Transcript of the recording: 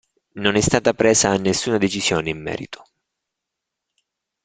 Non è stata presa nessuna decisione in merito.